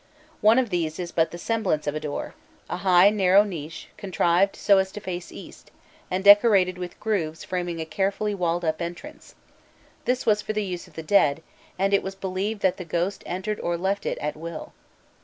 One of these is but the semblance of a door, a high narrow niche, contrived so as to face east, and decorated with grooves framing a carefully walled up entrance; this was for the use of the dead, and it was believed that the ghost entered or left it at will.